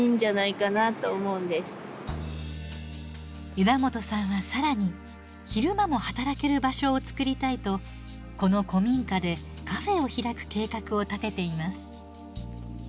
枝元さんは更に昼間も働ける場所を作りたいとこの古民家でカフェを開く計画を立てています。